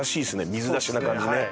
水出しな感じね。